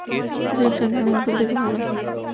সুযোগ সন্ধানী উকিল থেকে ভালো।